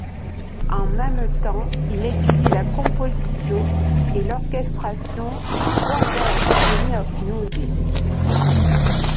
En même temps, il étudie la composition et l'orchestration à Royal Academy of Music.